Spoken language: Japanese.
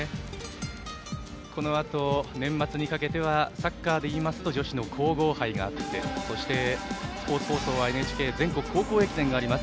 このあと、年末にかけてはサッカーでいいますと女子の皇后杯があってそして、スポーツ放送は全国高校駅伝があります。